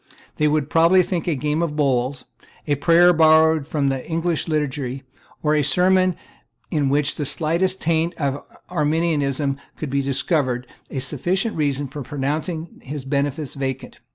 They would probably think a game at bowls, a prayer borrowed from the English Liturgy, or a sermon in which the slightest taint of Arminianism could be discovered, a sufficient reason for pronouncing his benefice vacant.